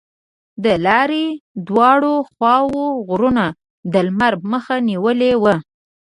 د لارې دواړو خواوو غرونو د لمر مخه نیولې وه.